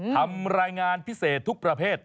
ทำรายงานพิเศษทุกประเภท